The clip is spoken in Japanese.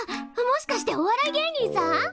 もしかしてお笑い芸人さん！？